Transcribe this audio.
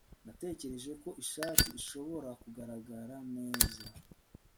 Natekereje ko ishati ishobora kugaragara neza